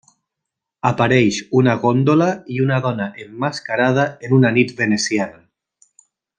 Apareix una góndola i una dona emmascarada en una nit veneciana.